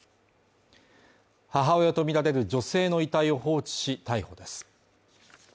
母親とみられる女性の遺体を放置し、逮捕です。